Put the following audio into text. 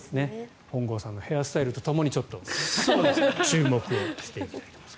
本郷さんのヘアスタイルとともに注目していきたいと思います。